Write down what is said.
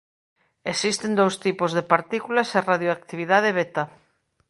Existen dous tipos de partículas e radioactividade beta.